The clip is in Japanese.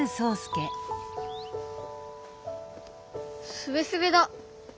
すべすべだ。